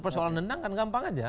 persoalan nendang kan gampang aja